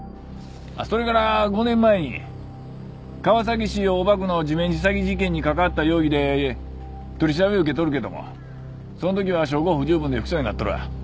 それから５年前に川崎市大葉区の地面師詐欺事件に関わった容疑で取り調べ受けとるけどもその時は証拠不十分で不起訴になっとるわ。